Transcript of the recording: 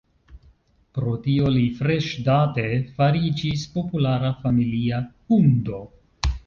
Pro tio, li freŝdate fariĝis populara familia hundo.